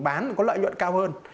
để bán có lợi nhuận cao hơn